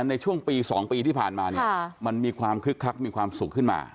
ในช่วงปี๒ปีที่ผ่านมาเนี่ยมันมีความคึกคักมีความสุขขึ้นมา